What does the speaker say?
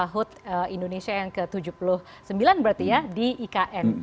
hud indonesia yang ke tujuh puluh sembilan berarti ya di ikn